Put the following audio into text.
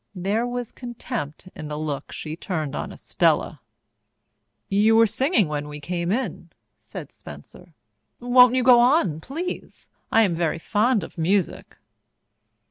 There was contempt in the look she turned on Estella. "You were singing when we came in," said Spencer. "Won't you go on, please? I am very fond of music."